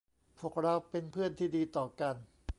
พวกเราเป็นเพื่อนที่ดีต่อกัน